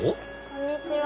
こんにちは。